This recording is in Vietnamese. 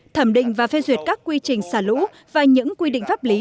thẩm định và phê duyệt các quy trình xả lũ và những quy định pháp lý